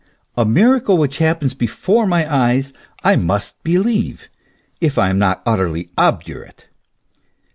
A miracle which happens hefore my eyes I must believe, if I am not utterly obdurate.